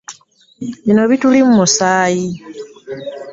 Bino bituli mu musaayi.